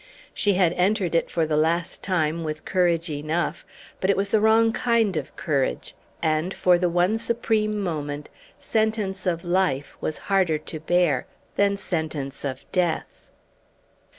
She had entered it for the last time with courage enough; but it was the wrong kind of courage; and, for the one supreme moment, sentence of life was harder to bear than sentence of death.